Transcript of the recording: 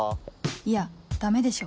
いやダメでしょ